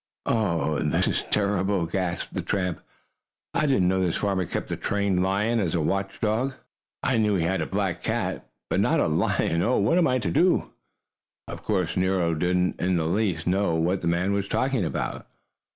"Oh, this is terrible!" gasped the tramp. "I didn't know this farmer kept a trained lion as a watchdog. I knew he had a black cat, but not a lion. Oh, what am I to do?" Of course Nero didn't in the least know what the man was talking about.